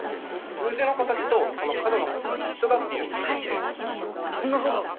数字の形とその角の数が一緒だっていうんですよ。なぁぁ！